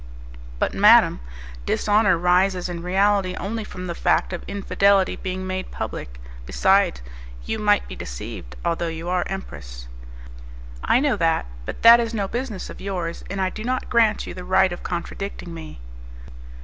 "But, madam, dishonour rises in reality only from the fact of infidelity being made public; besides, you might be deceived, although you are empress." "I know that, but that is no business of yours, and I do not grant you the right of contradicting me."